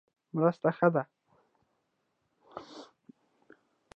مرسته ښه ده.